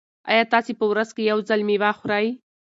ایا تاسي په ورځ کې یو ځل مېوه خورئ؟